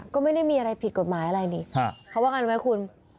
ก็ไม่ได้มีอะไรผิดกฎหมายอะไรนี่เขาว่าไงรู้ไหมคุณ